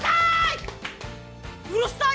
うるさい！